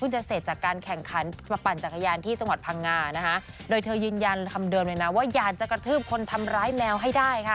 จะเสร็จจากการแข่งขันมาปั่นจักรยานที่จังหวัดพังงานะคะโดยเธอยืนยันคำเดิมเลยนะว่าอยากจะกระทืบคนทำร้ายแมวให้ได้ค่ะ